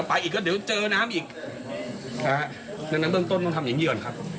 ไปอีกก็เดี๋ยวเจอน้ำอีกนะฮะดังนั้นเบื้องต้นต้องทำอย่างงี้ก่อนครับ